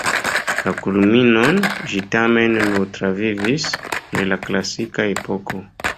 La kulminon ĝi tamen nur travivis en la klasika Epoko.